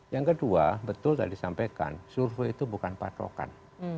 yang kedua betul tadi disampaikan survei itu bukan patrokan